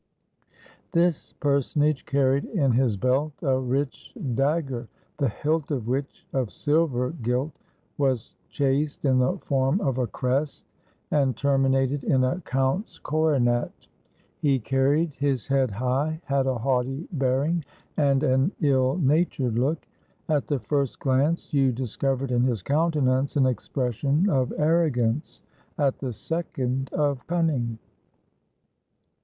This personage carried in his belt a rich dagger, the hilt of which, of silver gilt, was chased in the form of a crest, and terminated in a count's 203 FRANCE coronet. He carried his head high, had a haughty bear ing, and an ill natured look. At the first glance you dis covered in his countenance an expression of arrogance; at the second, of cunning.